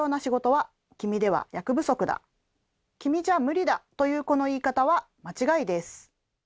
君じゃ無理だというこの言い方は間違いです。